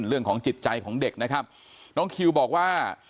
เรื่องของจิตใจของเด็กนะครับน้องคิวบอกว่า